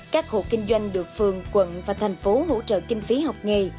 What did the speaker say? các hộ kinh doanh được phường quận và thành phố hỗ trợ kinh phí học nghề